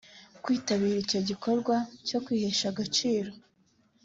kwitabira icyo gikorwa cyo kwihesha agaciro